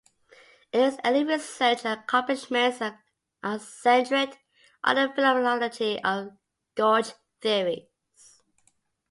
Ellis' early research accomplishments are centred on the phenomenology of gauge theories.